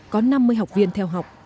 có năm mươi học viên theo học